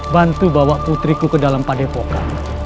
bantu bawa putriku ke dalam padepokan